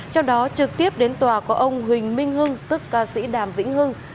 trong đó trực tiếp đến tòa có ông huỳnh minh hưng tức ca sĩ đàm vĩnh hưng